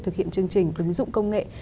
thực hiện chương trình ứng dụng công nghệ